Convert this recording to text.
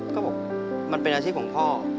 ก็บอกมันเป็นอาชีพของพ่อ